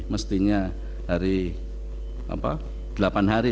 mestinya dari delapan hari